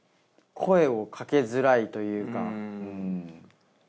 声をかけづらいというか。